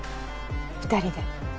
２人で。